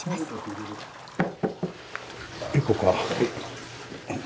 いこうか。